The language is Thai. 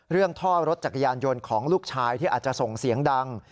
ท่อรถจักรยานยนต์ของลูกชายที่อาจจะส่งเสียงดัง